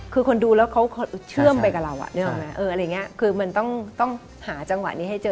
คือคนดูแล้วเขาเชื่อมไปกับเราคือมันต้องหาจังหวะนี้ให้เจอ